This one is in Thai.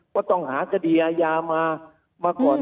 ว่าต้องหากระดียายามาก่อน